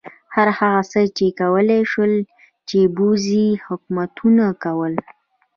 هر هغه څه یې کولای شول چې پوځي حکومتونو کول.